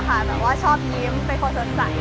แบบว่าชอบยิ้มเป็นคนสดใส